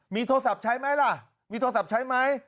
มีโทรศัพท์ใช้ไหมล่ะมีโทรศัพท์ใช้ไหม